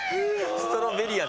ストロベリヤー。